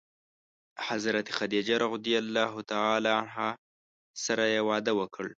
حضرت خدیجه رض سره یې واده وکړ.